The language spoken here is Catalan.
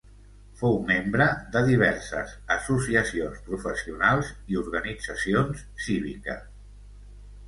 Fou membre de diverses associacions professionals i organitzacions cíviques.